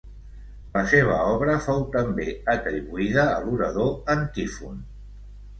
La seva obra fou també atribuïda a l'orador Antífon.